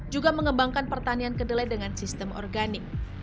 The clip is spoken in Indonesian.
juga mengembangkan pertanian kedelai dengan sistem organik